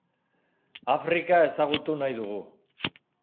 Afrika ezagutu nahi dugu.